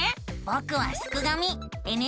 ぼくはすくがミ。